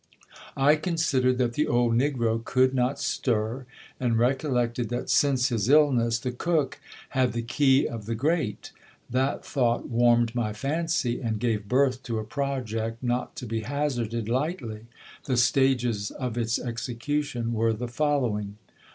| /I considered that the old negro could not stir, and recollected that since his illness the cook had the key of the grate. That thought warmed my fancy, and gave birth to a project not to be hazarded lightly : the stages of its execution were the following.